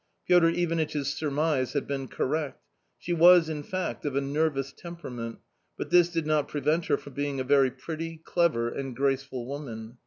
Piotr Ivanitch's surmise had been correct ; she was, in fact, dn a nervous temperament, but this did not prevent her from being a very pretty, clever, and graceful woman.